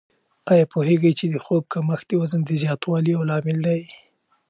آیا پوهېږئ چې د خوب کمښت د وزن د زیاتوالي یو لامل دی؟